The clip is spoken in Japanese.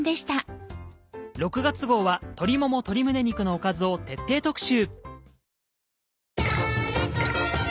６月号は鶏もも鶏胸肉のおかずを徹底特集。